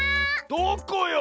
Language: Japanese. どこよ⁉